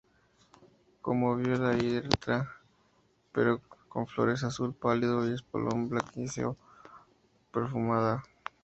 Como "Viola hirta" pero con flores azul pálido y espolón blanquecino, perfumada.